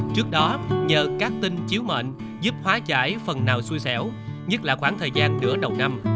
trước đó nhờ các tin chiếu mệnh giúp hóa giải phần nào xuôi xẻo nhất là khoảng thời gian nửa đầu năm